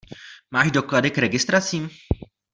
Máš doklady k registracím?